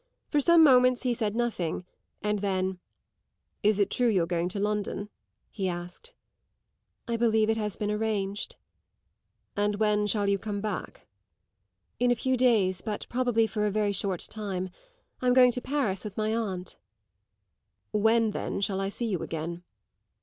For some moments he said nothing; and then, "Is it true you're going to London?" he asked. "I believe it has been arranged." "And when shall you come back?" "In a few days; but probably for a very short time. I'm going to Paris with my aunt." "When, then, shall I see you again?"